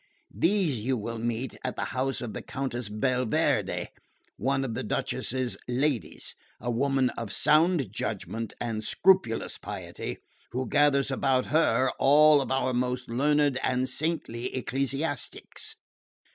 These you will meet at the house of the Countess Belverde, one of the Duchess's ladies, a woman of sound judgment and scrupulous piety, who gathers about her all our most learned and saintly ecclesiastics.